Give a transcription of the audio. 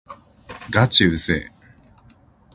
がちうぜぇ